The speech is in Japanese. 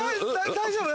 大丈夫？